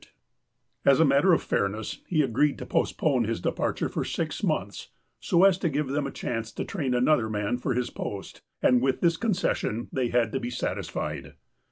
30 THE APOSTLE OF ALASKA As a matter of fairness, he agreed to postpone his de parture for six months, so as to give them a chance to train another man for his post, and with this concession they had to be satisfied.